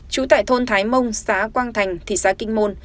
trú tại thôn thái mông xã quang thành thị xã kinh môn